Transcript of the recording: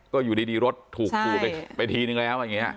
ก็อยู่ดีรถถูกปลูกไปทีนึงแล้ว